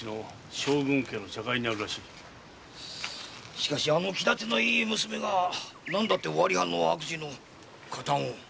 しかしあの気立てのいい娘が何だって尾張藩の悪事の加担を？